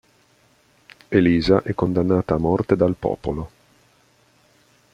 Elisa è condannata a morte dal popolo.